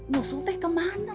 nyusul teh kemana